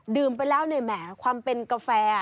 ดื่มไปแล้วหน่อยแหมความเป็นกาแฟ